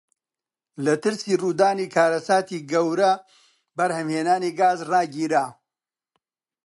لە ترسی ڕوودانی کارەساتی گەورە بەرهەمهێنانی گاز ڕاگیرا.